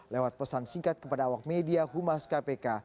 lewat pesan singkat kepada awak media humas kpk